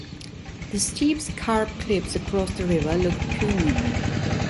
The steep scarp cliffs across the river looked puny.